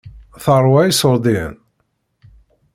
Teṛwa iṣuṛdiyen.